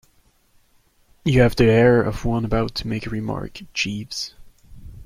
You have the air of one about to make a remark, Jeeves.